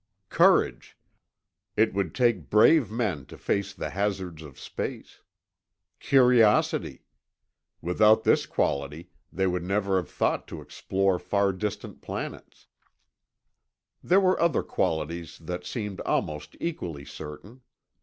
Courage. It would take brave men to face the hazards of space. Curiosity. Without this quality, they would never have thought to explore far distant planets. There were other qualities that seemed almost equally certain.